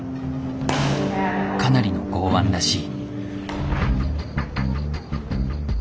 かなりの剛腕らしい。